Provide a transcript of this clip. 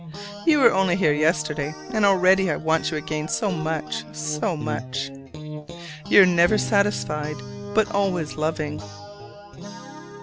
You were only here yesterday, and already I want you again so much, so much! Your never satisfied but always loving.